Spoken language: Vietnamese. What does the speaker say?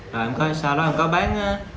rồi em coi sau đó em có bán